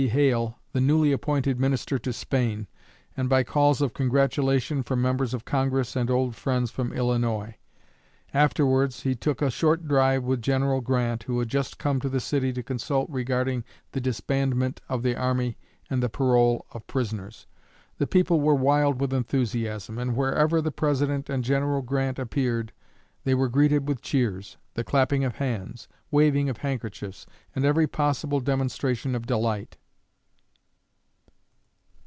Hale, the newly appointed Minister to Spain, and by calls of congratulation from members of Congress and old friends from Illinois. Afterwards he took a short drive with General Grant, who had just come to the city to consult regarding the disbandment of the army and the parole of prisoners. The people were wild with enthusiasm, and wherever the President and General Grant appeared they were greeted with cheers, the clapping of hands, waving of handkerchiefs, and every possible demonstration of delight.